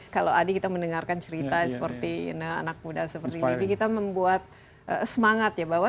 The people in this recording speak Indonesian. kalau adi kita mendengarkan cerita seperti anak muda seperti ini kita membuat semangat ya bahwa